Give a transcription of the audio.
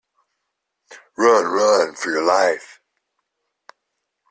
Run - run for your life!